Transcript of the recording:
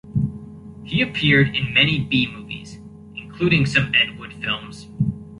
He appeared in many B-movies, including some Ed Wood films.